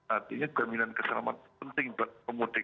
artinya jaminan keselamatan penting buat pemudik